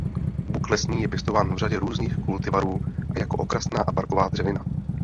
Buk lesní je pěstován v řadě různých kultivarů a jako okrasná a parková dřevina.